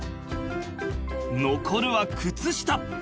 残るは靴下。